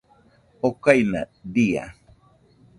okaina dia